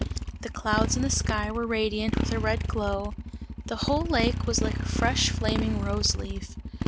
The clouds in the sky were radiant with a red glow; the whole lake was like a fresh flaming rose leaf.